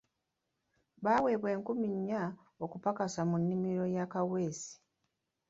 Baweebwa enkumi nnya okupakasa mu nnimiro ya Kaweesi.